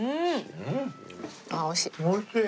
おいしい。